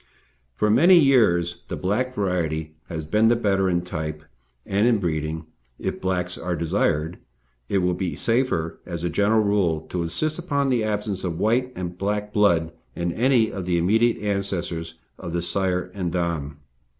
For very many years the black variety has been the better in type; and in breeding, if blacks are desired, it will be safer as a general rule to insist upon the absence of white and black blood in any of the immediate ancestors of the sire and dam.